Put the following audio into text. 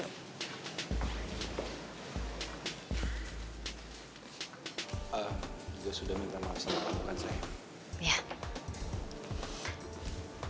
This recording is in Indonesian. dia sudah minta maaf sama kamu kan sayang